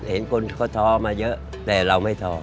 เห็นคนก็ท้อมาเยอะแต่เราไม่ท้อ